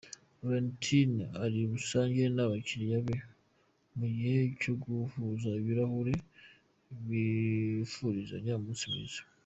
Valentin ari busangire n’abakiriya be mu gihe cyo guhuza ibirahure bifurizanya umunsi mwiza.